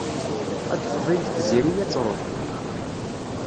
Ad d-tḍil tziri ad truḥ.